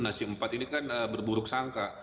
nah si empat ini kan berburuk sangka